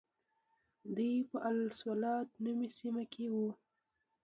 دوی په السطوة نومې سیمه کې وو.